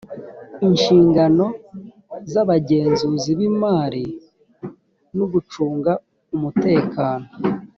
inshingano z ‘abagenzuzi b ‘imari nugucunga umutekano.